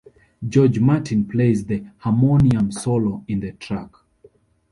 George Martin plays the harmonium solo in the track.